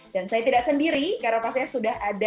dan saya tidak sendiri karena pastinya sudah ada